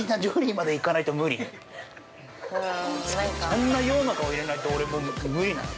◆そんな洋の顔入れないとおれ、もう無理なの？